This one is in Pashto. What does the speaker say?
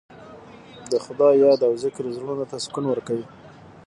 د خدای یاد او ذکر زړونو ته سکون ورکوي.